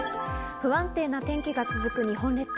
不安定な天気が続く日本列島。